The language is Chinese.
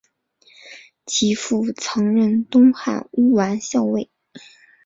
其父曾任东汉乌丸校尉。